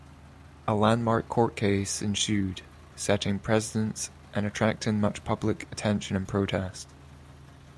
A landmark court case ensued, setting precedents and attracting much public attention and protest.